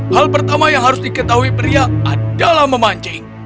hal pertama yang harus diketahui pria adalah memancing